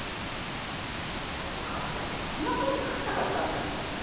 そうか私こんなふうに書きたかったんだ。